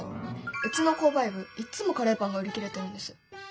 うちの購買部いっつもカレーパンが売り切れてるんです。